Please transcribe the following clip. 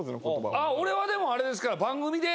あ俺はでもあれですから番組で。